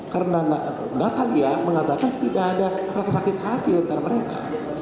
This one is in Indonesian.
karena nakal ya mengatakan tidak ada sakit hati antara mereka